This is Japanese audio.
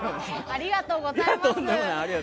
ありがとうございます。